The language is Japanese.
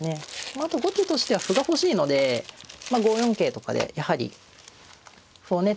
まああと後手としては歩が欲しいので５四桂とかでやはり歩をね